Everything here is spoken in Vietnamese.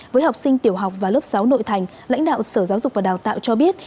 với học sinh tiểu học và lớp sáu nội thành lãnh đạo sở giáo dục và đào tạo cho biết